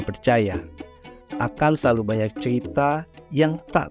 merasakan keajaiban dan kehangatan